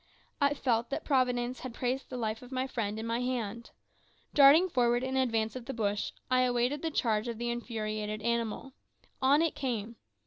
I felt that Providence had placed the life of my friend in my hands. Darting forward in advance of the bush, I awaited the charge of the infuriated animal. On it came.